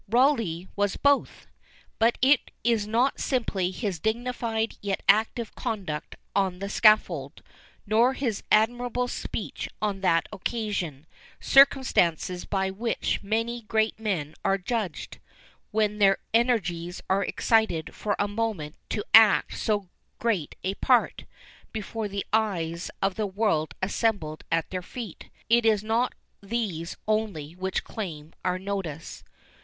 Rawleigh was both! But it is not simply his dignified yet active conduct on the scaffold, nor his admirable speech on that occasion, circumstances by which many great men are judged, when their energies are excited for a moment to act so great a part, before the eyes of the world assembled at their feet; it is not these only which claim our notice.